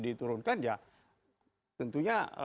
diturunkan ya tentunya